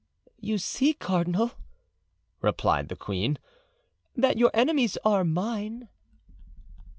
"You see, cardinal," replied the queen, "that your enemies are mine."